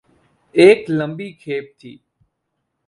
ایک لمبی کھیپ تھی۔